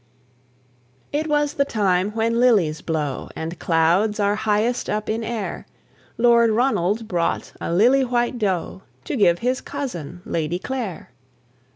It was the time when lilies blow And clouds are highest up in air; Lord Ronald brought a lily white doe To give his cousin, Lady Clare.